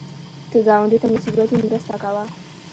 که ګاونډي ته مصیبت وي، مرسته کوه